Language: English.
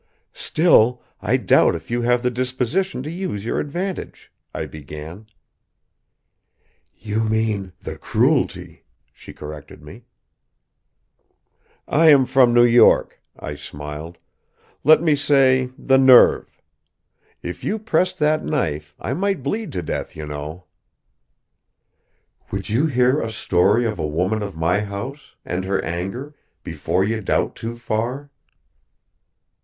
"Still, I doubt if you have the disposition to use your advantage," I began. "You mean, the cruelty," she corrected me. "I am from New York," I smiled. "Let me say, the nerve. If you pressed that knife, I might bleed to death, you know." "Would you hear a story of a woman of my house, and her anger, before you doubt too far?"